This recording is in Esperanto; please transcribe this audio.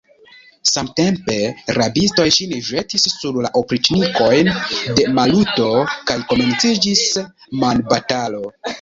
Samtempe rabistoj, sin ĵetis sur la opriĉnikojn de Maluto, kaj komenciĝis manbatalo!